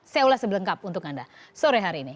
saya ulas sebelah lengkap untuk anda sore hari ini